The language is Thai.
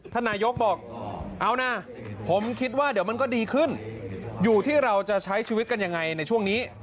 ท่านนายกบอกเอานะผมคิดว่าเดี๋ยวมันก็ดีขึ้นอยู่ที่เราจะใช้ชีวิตกันยังไงในช่วงนี้